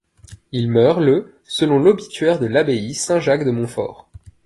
Il meurt le selon l'obituaire de l'abbaye Saint-Jacques de Montfort.